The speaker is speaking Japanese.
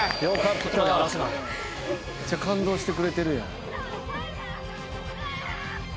めっちゃ感動してくれてるやん。